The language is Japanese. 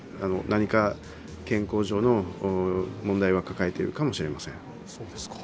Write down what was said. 何か健康上の問題は抱えているかもしれません。